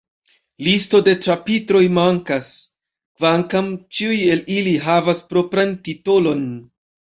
Listo de ĉapitroj mankas, kvankam ĉiu el ili havas propran titolon.